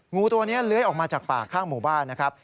งูตัวนี้เลื้อยออกมาจากป่าข้างหมู่บ้านนะครับ